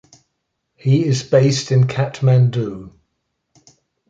He is based in Kathmandu.